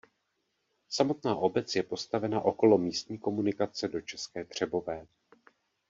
Samotná obec je postavena okolo místní komunikace do České Třebové.